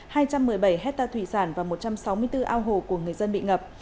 hai trăm một mươi bảy hectare thủy sản và một trăm sáu mươi bốn ao hồ của người dân bị ngập